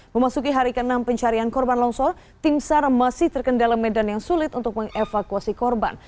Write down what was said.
memasuki hari ke enam pencarian korban longsor tim sar masih terkendala medan yang sulit untuk mengevakuasi korban